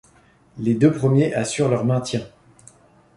Les deux premiers assurent leur maintien.